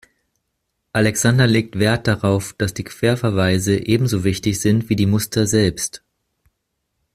Alexander legt Wert darauf, dass die Querverweise ebenso wichtig sind wie die Muster selbst.